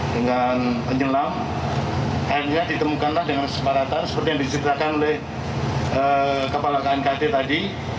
dengan penyelam akhirnya ditemukan dengan separatan seperti yang disediakan oleh kepala knkd tadi